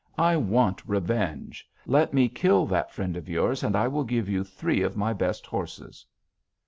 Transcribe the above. I want revenge. Let me kill that friend of yours and I will give you three of my best horses!'